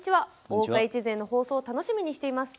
「大岡越前」の放送楽しみにしています。